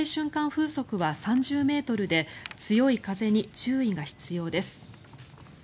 風速は３０ｍで強い風に注意が必要です。